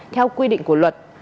theo quy định của luật